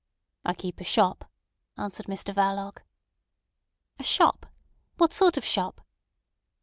"I keep a shop," answered Mr Verloc. "A shop! What sort of shop?"